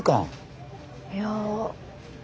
いや。